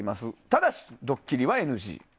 ただし、ドッキリはＮＧ。